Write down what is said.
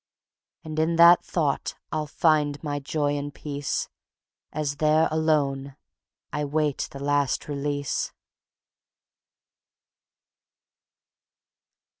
And in that thought I'll find my joy and peace As there alone I wait the Last Release.